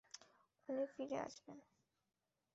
উনি ফিরে আসবেন।